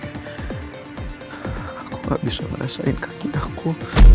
aku gak bisa ngerasain kaki aku